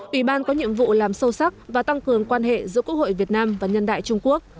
ủy ban có nhiệm vụ làm sâu sắc và tăng cường quan hệ giữa quốc hội việt nam và nhân đại trung quốc